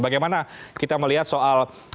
bagaimana kita melihat soal